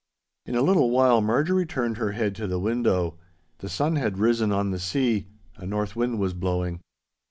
In a little while Marjorie turned her head to the window. The sun had risen on the sea. A north wind was blowing.